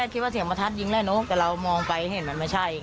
เขามีเรื่องอะไรกัน